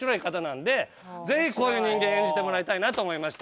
ぜひこういう人間演じてもらいたいなと思いました。